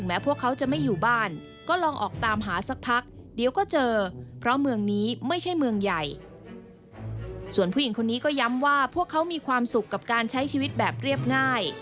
ผู้หญิงคนนี้ก็ย้ำว่าพวกเขามีความสุขกับการใช้ชีวิตแบบเรียบง่าย